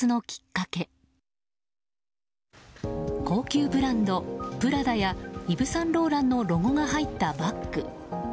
高級ブランドプラダやイヴ・サンローランのロゴが入ったバッグ。